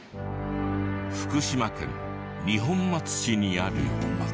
福島県二本松市にある。